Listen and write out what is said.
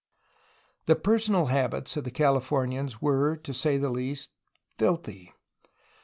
The personal habits of the Californians were, to say the least, filthy.